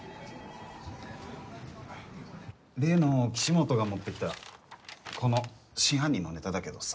例の岸本が持ってきたこの真犯人のネタだけどさ。